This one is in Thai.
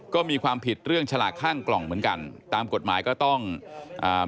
ก็มีความผิดเรื่องฉลากข้างกล่องเหมือนกันตามกฎหมายก็ต้องอ่า